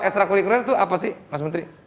ekstra kuliah kuliah itu apa sih mas mentri